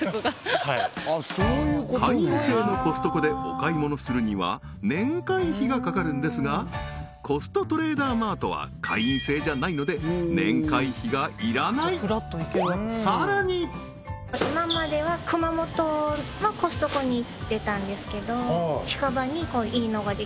会員制のコストコでお買い物するには年会費がかかるんですがコストトレーダーマートは会員制じゃないので年会費が要らないそうコストトレーダー